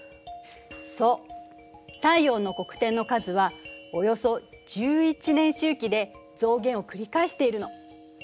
そう太陽の黒点の数はおよそ１１年周期で増減を繰り返しているの。